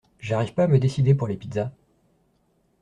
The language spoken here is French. J'arrive pas à me décider pour les pizzas.